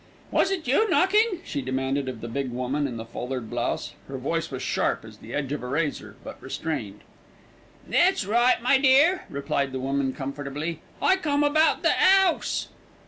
"Was it you knocking?" she demanded of the big woman in the foulard blouse. Her voice was sharp as the edge of a razor; but restrained. "That's right, my dear," replied the woman comfortably, "I come about the 'ouse."